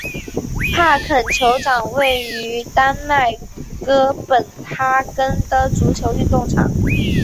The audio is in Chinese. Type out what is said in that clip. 帕肯球场位于丹麦哥本哈根的足球运动场。